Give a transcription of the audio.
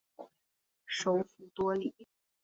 首府多里。